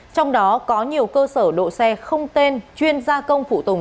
trong đó có nhiều cơ sở độ xe không tên chuyên gia công phụ tùng